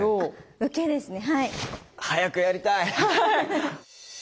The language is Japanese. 早くやりたい！